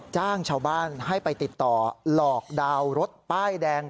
จ้างชาวบ้านให้ไปติดต่อหลอกดาวน์รถป้ายแดง